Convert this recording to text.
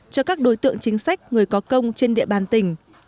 cho các đối tượng chính sách người có công trên địa bàn tỉnh